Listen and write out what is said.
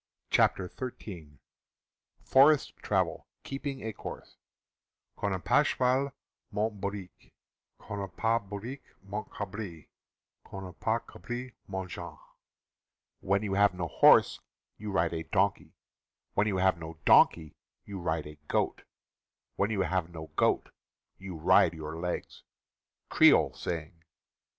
V CHAPTER Xin FOREST TRAVEL— KEEPING A COURSE Quand na pas choual, monte hourique; Quand na pas hourique, monte cdbri; Quand na pas cabri, monte jamhe. (When you have no horse, you ride a donkey; When you have no donkey, you ride a goat; When you have no goat, you ride your legs.) — Creole Saying.